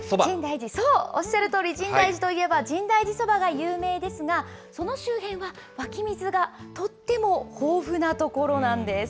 そう、おっしゃるとおり深大寺といえば、深大寺そばが有名ですが、その周辺は、湧き水がとっても豊富な所なんです。